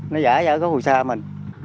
nó giả ra có phù sa mình